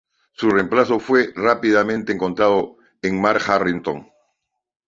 Su reemplazo fue rápidamente encontrado en Mark Harrington.